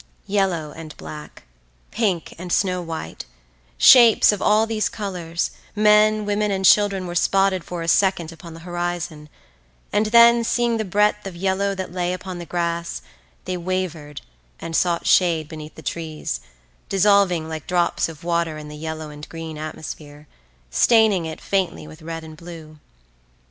Yellow and black, pink and snow white, shapes of all these colours, men, women, and children were spotted for a second upon the horizon, and then, seeing the breadth of yellow that lay upon the grass, they wavered and sought shade beneath the trees, dissolving like drops of water in the yellow and green atmosphere, staining it faintly with red and blue.